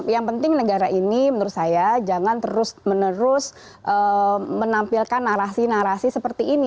yang penting negara ini menurut saya jangan terus menerus menampilkan narasi narasi seperti ini